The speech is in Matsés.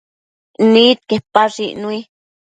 Nidquepash icnui